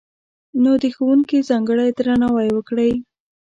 نو، د ښوونکي ځانګړی درناوی وکړئ!